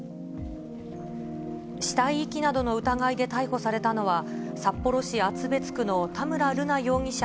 死体遺棄などの疑いで逮捕されたのは、札幌市厚別区の田村瑠奈容疑者